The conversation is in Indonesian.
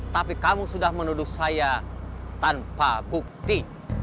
tapi kamu sudah menuduh saya tanpa bukti